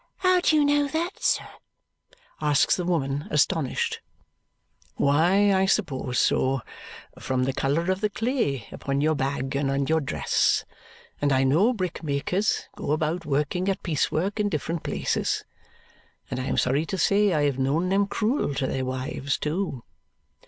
"How do you know that, sir?" asks the woman, astonished. "Why, I suppose so from the colour of the clay upon your bag and on your dress. And I know brickmakers go about working at piecework in different places. And I am sorry to say I have known them cruel to their wives too."